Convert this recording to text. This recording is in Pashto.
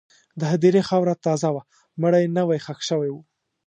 د هدیرې خاوره تازه وه، مړی نوی ښخ شوی و.